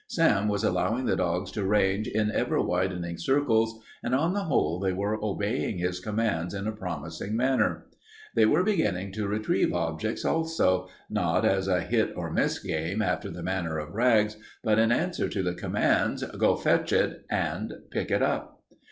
Sam was allowing the dogs to range in ever widening circles, and on the whole they were obeying his commands in a promising manner. They were beginning to retrieve objects, also, not as a hit or miss game after the manner of Rags, but in answer to the commands "Go fetch it," and "Pick it up."